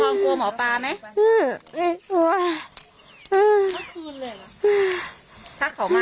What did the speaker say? กินทุกอย่างอยากกินอะไรกันล่ะบอกมา